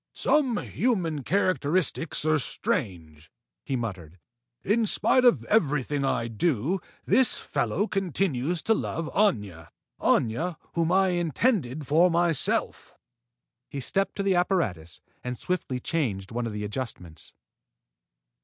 "Some human characteristics are strange," he muttered. "In spite of everything I do, this fellow continues to love Aña: Aña whom I intend for myself." He stepped to the apparatus and swiftly changed one of the adjustments.